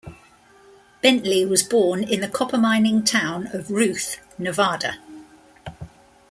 Bentley was born in the copper-mining town of Ruth, Nevada.